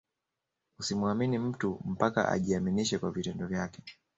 Usimuamini mtu mpaka ajiaminishe kwa vitendo vyake